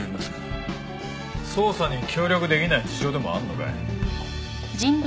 捜査に協力できない事情でもあるのかい？